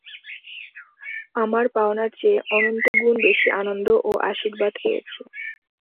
আমার পাওনার চেয়ে অনন্তগুণ বেশী আনন্দ ও আশীর্বাদ পেয়েছি।